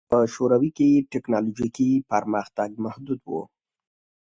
په شوروي کې ټکنالوژیکي پرمختګ محدود و